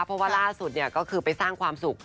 เพราะว่าล่าสุดก็คือไปสร้างความสุข